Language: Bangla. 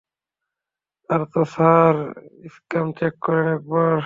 আরে তো স্যার, স্পাম চেক করেন একবার।